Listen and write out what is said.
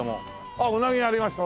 あっうなぎ屋ありました！